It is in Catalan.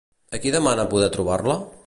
A qui demana poder trobar-la?